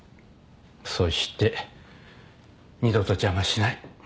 そして二度と邪魔しない。